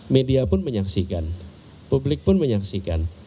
media pun menyaksikan publik pun menyaksikan